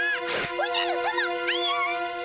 おじゃるさま危うし！